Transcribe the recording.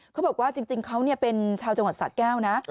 เขาบอกว่าจริงเขาเป็นชาวจังหวัดสะแก้วนะ